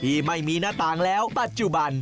ที่ไม่มีหน้าต่างแล้วปัจจุบัน